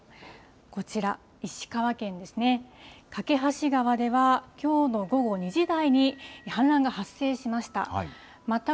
こちら、石川県ですね、梯川ではきょうの午後２時台に、氾濫が発生しました。